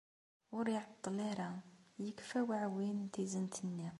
Ur iεeṭṭel ara yekfa uεwin n tizent-nni.